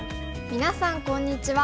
みなさんこんにちは。